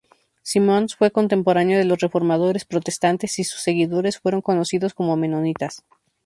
Simons fue contemporáneo de los reformadores protestantes y sus seguidores fueron conocidos como menonitas.